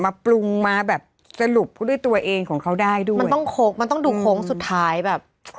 มาปรุงมาแบบสรุปด้วยตัวเองของเขาได้ด้วยมันต้องโค้งมันต้องดูโค้งสุดท้ายแบบ